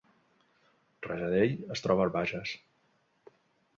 Rajadell es troba al Bages